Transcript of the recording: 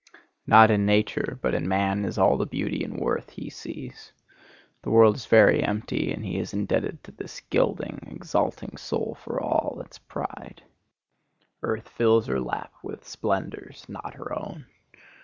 Not in nature but in man is all the beauty and worth he sees. The world is very empty, and is indebted to this gilding, exalting soul for all its pride. "Earth fills her lap with splendors" not her own.